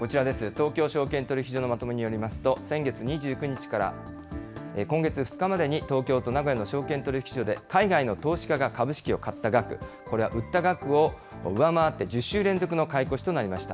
東京証券取引所のまとめによりますと、先月２９日から今月２日までに東京と名古屋の証券取引所で海外の投資家が株式を買った額、これは売った額を上回って、１０週連続の買い越しとなりました。